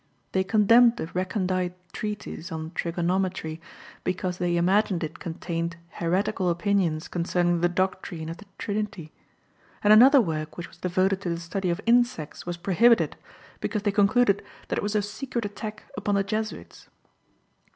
They condemned a recondite treatise on Trigonometry, because they imagined it contained heretical opinions concerning the doctrine of the Trinity; and another work which was devoted to the study of Insects was prohibited, because they concluded that it was a secret attack upon the Jesuits.